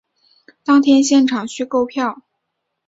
当天现场须购票